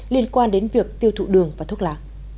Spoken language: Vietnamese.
liên quan đến việc tiêu thụ đường và thuốc lá